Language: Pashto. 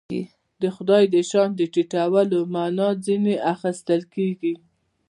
د خدای د شأن د ټیټولو معنا ځنې اخیستل کېږي.